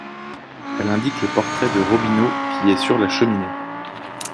Elle indique le portrait de Robineau qui est sur la cheminée.